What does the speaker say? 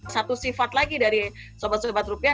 satu sifat lagi dari sobat sehebat rupiah